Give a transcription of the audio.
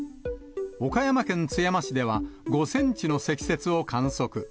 岡山県津山市では５センチの積雪を観測。